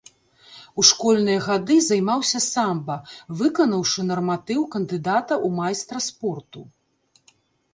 У школьныя гады займаўся самба, выканаўшы нарматыў кандыдата ў майстра спорту.